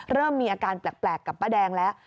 เริ่มมีอาการแปลกกับป้าแดงแล้ว